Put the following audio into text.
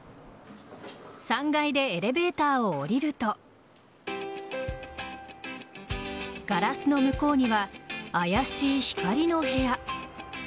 ３階でエレベーターを降りるとガラスの向こうには妖しい光の部屋。